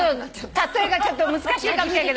例えがちょっと難しいかもしれないけど。